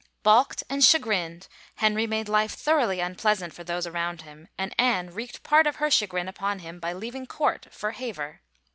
Balked and chagrined, Henry made life thoroughly un pleasant for those around him, and Anne wreaked part of her chagrin upon him by leaving court for Hever.